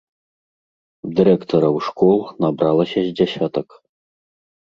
Дырэктараў школ набралася з дзясятак.